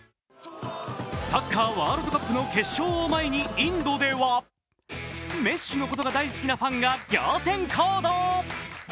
サッカー・ワールドカップを決勝を前にインドでは、メッシのことが大好きなファンが仰天行動。